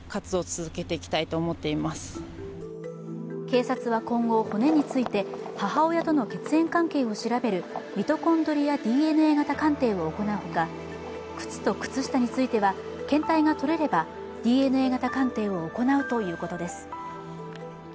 警察は今後、骨について母親との血縁関係を調べるミトコンドリアＤＮＡ型鑑定を行うほか、靴と靴下については検体が採れればＤＮＡ型鑑定を行うということです